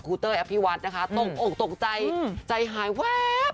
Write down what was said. คูเตอร์แอฟพี่วันนะคะตกตกตกใจอืมใจหายแวบ